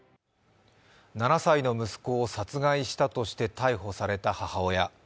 ７歳の息子を殺害したとして逮捕された母親。